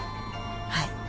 はい。